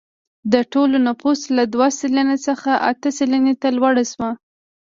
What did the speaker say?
د ټول نفوس له دوه سلنې څخه اته سلنې ته لوړ شو.